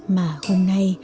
mà hôm nay